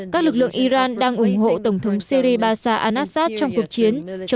các lực lượng iran đang ủng hộ tổng thống syri bashir